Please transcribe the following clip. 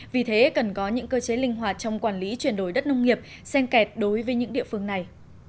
vì thế cần có những cơ chế linh hoạt trong quản lý chuyển đổi đất nông nghiệp sen kẹt đối với những địa phương này